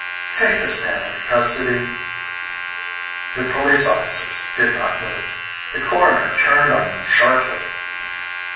"Take this man into custody." The police officers did not move. The Coroner turned on them sharply.